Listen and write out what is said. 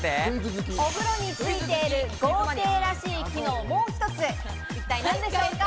お風呂についている豪邸らしい機能をもう１つ、一体何でしょうか？